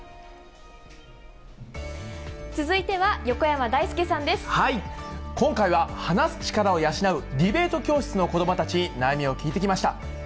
続いては横山だいすけさんで今回は、話す力を養うディベート教室の子どもたちに悩みを聞いてきました。